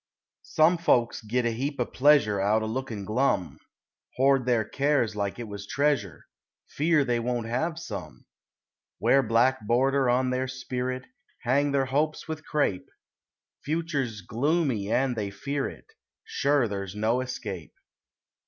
Some folks git a heap o' pleasure Out o' lookin' glum; Hoard their cares like it was treasure Fear they won't have some. Wear black border on their spirit; Hang their hopes with crape; Future's gloomy and they fear it, Sure there's no escape.